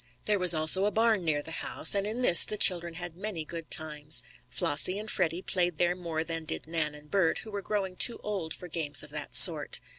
There was also a barn near the house, and in this the children had many good times. Flossie and Freddie played there more than did Nan and Bert, who were growing too old for games of that sort.